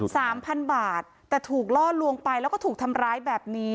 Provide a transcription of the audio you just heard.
สามพันบาทแต่ถูกล่อลวงไปแล้วก็ถูกทำร้ายแบบนี้